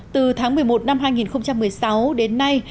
từ tháng một mươi một năm hai nghìn một mươi sáu đến nay